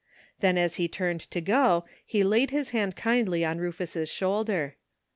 Then as he turned to go he laid his hand kindly on Rufus's shoulder.